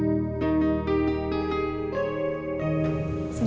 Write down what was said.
saya akan berpikir tentang pembahasan